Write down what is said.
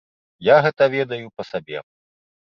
Я гэта ведаю па сабе.